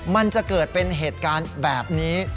มันจะเกิดเป็นเหตุการณ์แบบนี้